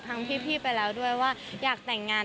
พี่ไปแล้วด้วยว่าอยากแต่งงาน